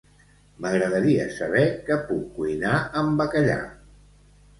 M'agradaria saber què puc cuinar amb bacallà.